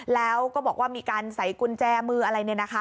แล้วก็บอกว่ามีการใส่กุญแจมืออะไรเนี่ยนะคะ